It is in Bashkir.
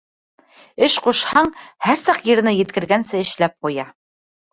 Эш ҡушһаң, һәр саҡ еренә еткергәнсә эшләп ҡуя.